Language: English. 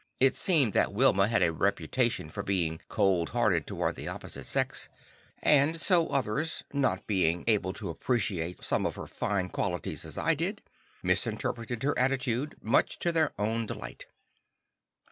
It seemed that Wilma had a reputation for being cold toward the opposite sex, and so others, not being able to appreciate some of her fine qualities as I did, misinterpreted her attitude, much to their own delight.